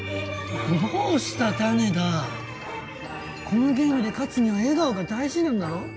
このゲームで勝つには笑顔が大事なんだろ？